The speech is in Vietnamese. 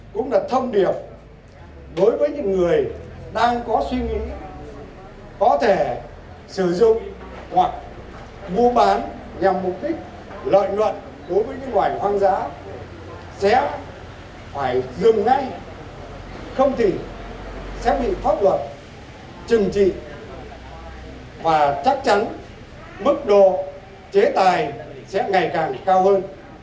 cũng là thông điệp đối với những người đang có suy nghĩ có thể sử dụng hoặc mua bán nhằm mục đích lợi nhuận đối với những loài hoang dã sẽ phải dừng ngay không thì sẽ bị pháp luật trừng trị và chắc chắn mức độ chế tài sẽ ngày càng cao hơn